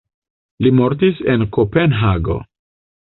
Li mortis en Kopenhago.